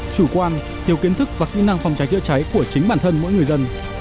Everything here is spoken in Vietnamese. chủ quan thiếu kiến thức và kỹ năng phòng cháy chữa cháy của chính bản thân mỗi người dân